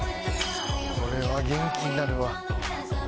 これは元気になるわ。